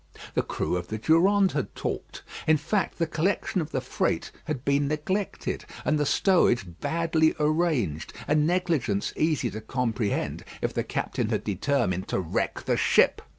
The crew of the Durande had talked. In fact, the collection of the freight had been neglected, and the stowage badly arranged, a negligence easy to comprehend, if the captain had determined to wreck the ship.